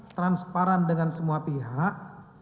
transparan dengan semua pihak